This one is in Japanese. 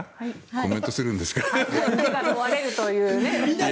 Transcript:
コメントするんですか。